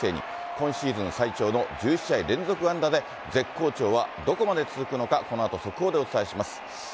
今シーズン最長の１１試合連続安打で、絶好調はどこまで続くのか、このあと速報でお伝えします。